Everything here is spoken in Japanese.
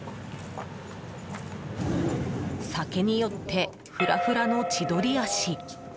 酒に酔ってフラフラの千鳥足。